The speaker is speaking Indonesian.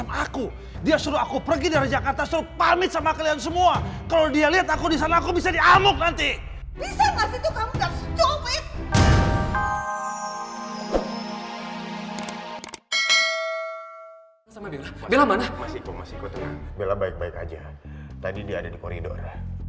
mas iko mas iko tuh ya bella baik baik aja tadi dia ada di koridor